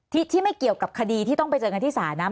ที่ที่ไม่เกี่ยวกับคดีที่ต้องไปเจอกันที่ศาลนะ